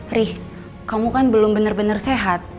riri kamu kan belum bener bener sehat